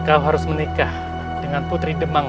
kau harus menikah dengan putri demang